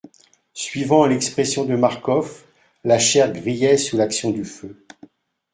Suivant l'expression de Marcof, la chair grillait sous l'action du feu.